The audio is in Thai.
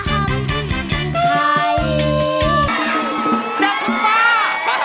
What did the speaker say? เจ้าคุณป้า